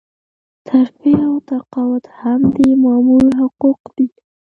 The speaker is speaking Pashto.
ترفيع او تقاعد هم د مامور حقوق دي.